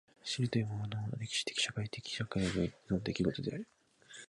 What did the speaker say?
知るということも歴史的社会的世界においての出来事である。